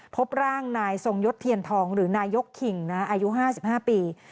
พบร่างนายทรงยศเทียนทองหรือนายกขิงอายุ๕๕ปี